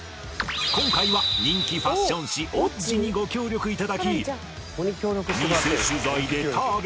今回は人気ファッション誌『Ｏｇｇｉ』にご協力頂き